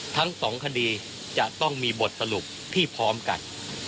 ทั้งสองคดีจะต้องมีบทสรุปที่พร้อมกัน